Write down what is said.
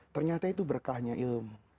ternyata itu berkahnya ilmu